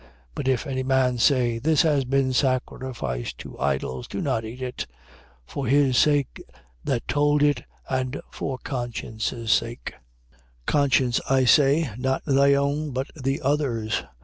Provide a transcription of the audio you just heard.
10:28. But if any man say: This has been sacrificed to idols: do not eat of it, for his sake that told it and for conscience' sake. 10:29. Conscience I say, not thy own, but the other's.